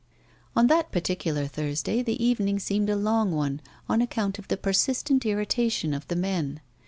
On that particular Thursday the evening seemed a long one, on account of the persistent irritation of the men.